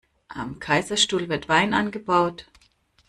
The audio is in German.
Am Kaiserstuhl wird Wein angebaut.